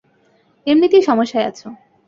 এমনিতেই সমস্যায় আছো।